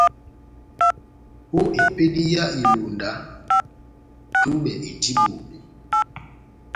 Ó epédi yá ilonda, túbɛ endi bobé.